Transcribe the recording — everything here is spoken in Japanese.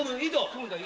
そうだよ。